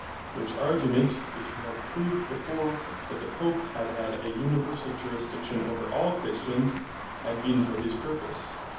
Which argument, if he had proved before, that the Pope had had an Universall Jurisdiction over all Christians, had been for his purpose.